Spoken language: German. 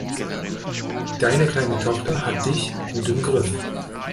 Deine kleine Tochter hat dich gut im Griff.